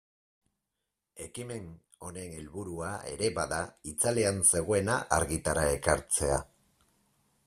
Ekimen honen helburua ere bada itzalean zegoena argitara ekartzea.